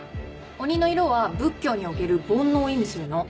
鬼の色は仏教における煩悩を意味するの。